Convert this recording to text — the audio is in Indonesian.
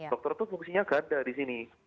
dokter itu fungsinya ganda di sini